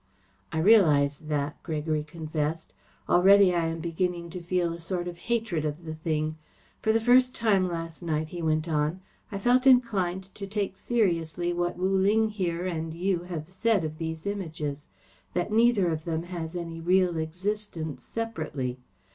"I realise that," Gregory confessed. "Already I am beginning to feel a sort of hatred of the thing. For the first time last night," he went on, "I felt inclined to take seriously what Wu Ling here and you have said of these Images; that neither of them has any real existence separately.